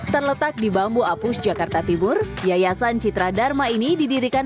terletak di bambu apus jakarta timur yayasan citra dharma ini didirikan